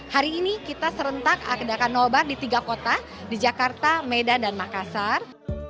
hari ini kita serentak adakan nobar di tiga kota di jakarta medan dan makassar